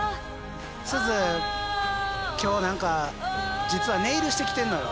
すず今日何か実はネイルしてきてんのよ。